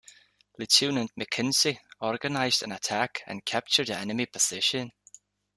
Lieutenant McKenzie organized an attack and captured the enemy position.